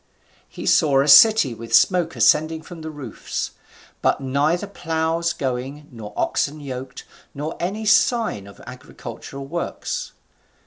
He saw a city with smoke ascending from the roofs, but neither ploughs going, nor oxen yoked, nor any sign of agricultural works.